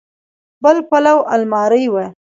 بل پلو المارۍ وه.